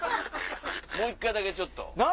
もう１回だけちょっと。